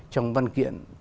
trong văn kiện